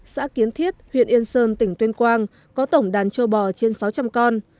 xã kiến thiết huyện yên sơn tỉnh tuyên quang có tổng đàn châu bò trên sáu trăm linh con